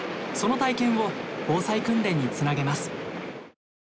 その体験を防災訓練につなげます。